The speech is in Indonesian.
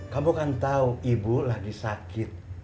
kamu kan tahu ibu lagi sakit